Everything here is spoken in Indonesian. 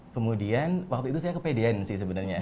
kemudian waktu itu saya kepedian sih sebenarnya